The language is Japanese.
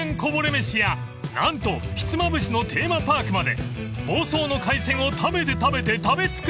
めしや何とひつまぶしのテーマパークまで房総の海鮮を食べて食べて食べ尽くします！］